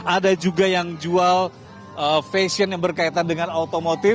ada juga yang jual fashion yang berkaitan dengan otomotif